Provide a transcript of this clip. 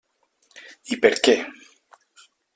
I per què?